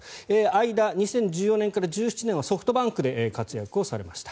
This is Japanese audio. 間、２０１４年から２０１７年はソフトバンクで活躍をされました。